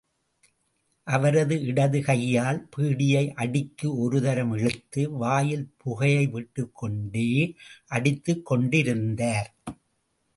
அவரது இடதுகையால் பீடியை அடிக்கு ஒருதரம் இழுத்து, வாயில் புகையை விட்டுக் கொண்டே அடித்துக் கொண்டிருந்தார்.